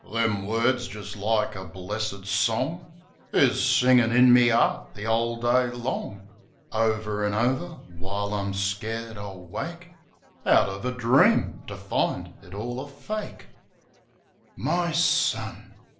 ... Them words, jist like a blessed song, Is singin' in me 'eart the 'ole day long ; Over an' over; while I'm scared I'll wake Out of a dream, to find it all a fako My son!